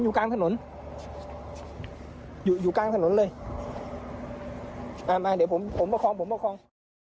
อยู่กลางถนนเลยมาเดี๋ยวผมประคอง